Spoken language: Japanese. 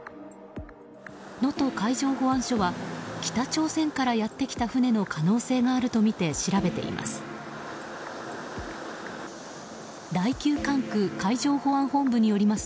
能登海上保安署は北朝鮮からやってきた船の可能性があるとみて調べています。